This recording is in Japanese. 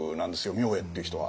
明恵っていう人は。